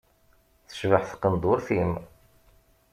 Tecbeḥ tqenduṛṭ-im.